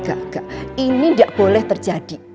gak gak ini gak boleh terjadi